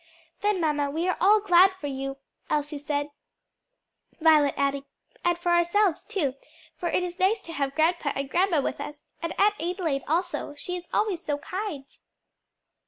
"Then, mamma, we are all glad for you," Elsie said: Violet adding, "and for ourselves, too; for it is nice to have grandpa and grandma with us; and Aunt Adelaide also; she is always so kind."